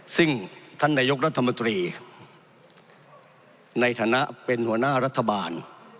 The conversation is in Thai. ซึ่งท่านนายกรัฐมนตรีในฐานะเป็นหัวหน้ารัฐบาล